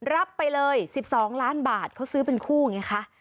รับไปเลย๑๒ล้านบาทเขาซื้อเป็นคู่ไงคะ